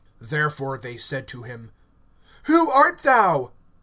(25)Therefore they said to him: Who art thou?